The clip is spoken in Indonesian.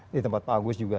di tempat pak agus juga